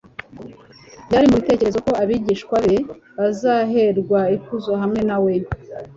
byari mu bitekerezo ko abigishwa be bazaherwa ikuzo hamwe na we.